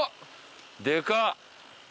でか！